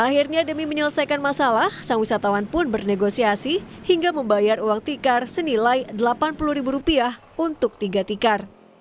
akhirnya demi menyelesaikan masalah sang wisatawan pun bernegosiasi hingga membayar uang tikar senilai delapan puluh ribu rupiah untuk tiga tikar